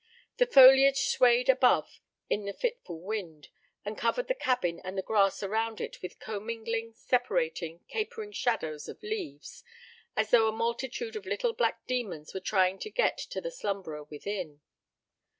The foliage swayed above in the fitful wind, and covered the cabin and the grass around it with commingling, separating, capering shadows of leaves, as though a multitude of little black demons were trying to get to the slumberer within.